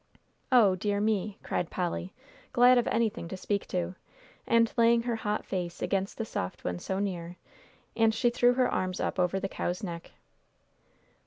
"O dear me!" cried Polly, glad of anything to speak to, and laying her hot face against the soft one so near, and she threw her arms up over the cow's neck.